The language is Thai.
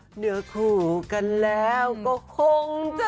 เหนือคู่กันแล้วก็คงจะ